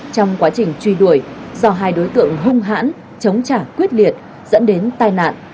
trong quá trình truy đuổi do hai đối tượng hung hãn chống trả quyết liệt dẫn đến tai nạn